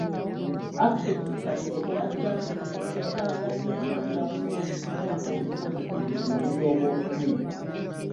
Architect Kateregga yassanga nnyo essira ku ky'okussa omukono ku buli kintu ky’oba ofunye.